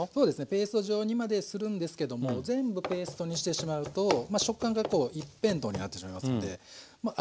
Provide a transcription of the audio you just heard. ペースト状にまでするんですけども全部ペーストにしてしまうとまあ食感がこう一辺倒になってしまいますのでまあ